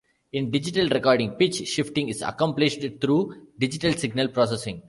In digital recording, pitch shifting is accomplished through digital signal processing.